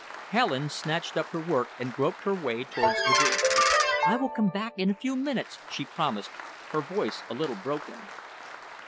Helen snatched up her work and groped her way towards the door. "I will come back in a few minutes," she promised, her voice a little broken.